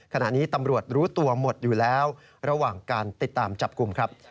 ขณะนี้ตำรวจรู้ตัวหมดอยู่แล้วระหว่างการติดตามจับกลุ่มครับ